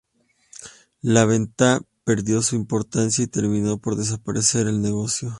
La venta perdió su importancia y terminó por desaparecer el negocio.